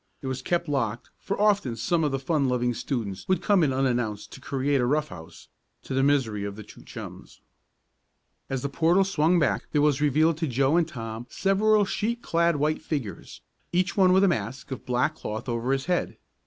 It was kept locked, for often some of the fun loving students would come in unannounced to create a "rough house," to the misery of the two chums. As the portal swung back, there was revealed to Joe and Tom several sheet clad white figures, each one with a mask of black cloth over his head.